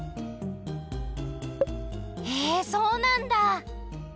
へえそうなんだ。